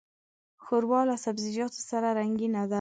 ښوروا له سبزيجاتو سره رنګینه ده.